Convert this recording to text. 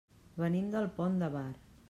Venim del Pont de Bar.